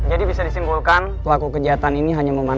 jadi bisa disimpulkan kelaku kejahatan ini hanya memungkinkan